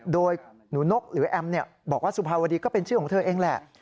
โดยหนูนกหรือแอมบอกว่าสุภาวดีก็เป็นชื่อของเธอเองแหละ